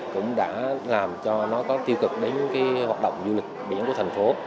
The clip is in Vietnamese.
cũng đã làm cho nó có tiêu cực đến cái hoạt động du lịch biển của thành phố